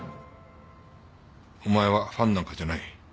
お前はファンなんかじゃない。